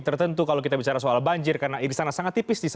tertentu kalau kita bicara soal banjir karena di sana sangat tipis di sana